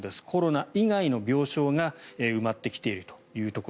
コロナ以外の病床が埋まってきていると。